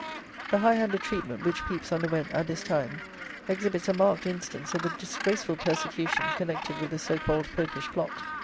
The high handed treatment which Pepys underwent at this time exhibits a marked instance of the disgraceful persecution connected with the so called Popish plot.